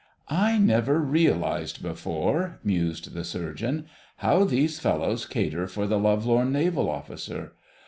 "I never realised before," mused the Surgeon, "how these fellows cater for the love lorn Naval Officer.